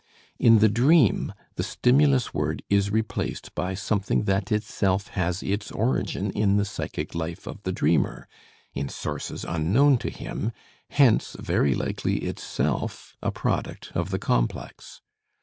In the dream the stimulus word is replaced by something that itself has its origin in the psychic life of the dreamer, in sources unknown to him, hence very likely itself a product of the complex.